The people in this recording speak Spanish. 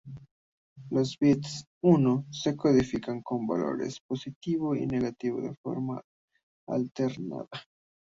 Los bits "uno" se codifican como valores positivo y negativo de forma alternada.